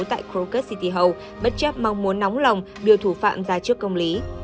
tại krakow bất chấp mong muốn nóng lòng điều thủ phạm ra trước công lý